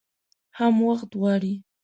هم وخت غواړي .